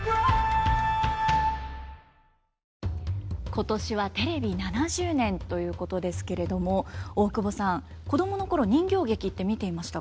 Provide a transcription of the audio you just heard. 今年はテレビ７０年ということですけれども大久保さん子供の頃人形劇って見ていましたか？